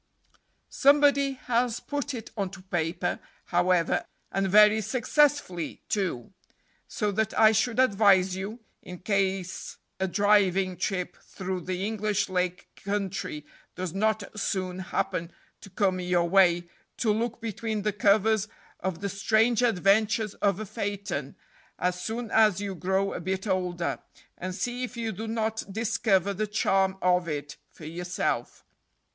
Somebody has put it onto paper, however, and very successfully, too; so that I should advise you, in case a driving trip through the English Lake Country does not soon happen to come your way, to look between the covers of "The Strange Adventures of a Phaeton," as soon as you grow a bit older, and see if you do not discover the charm of it for yourself.